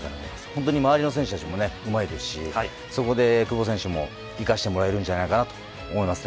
本当に周りの選手たちもうまいですしそこで久保選手も生かしてもらえるんじゃないかなと思います。